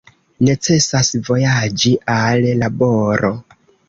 Necesas vojaĝi al laboro.